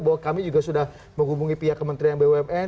bahwa kami juga sudah menghubungi pihak kementerian bumn